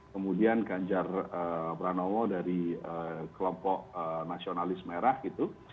kemudian ganjar pranowo dari kelompok nasionalis merah gitu